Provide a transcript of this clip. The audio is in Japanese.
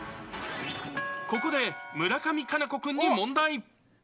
ここで村上佳菜子君に問題。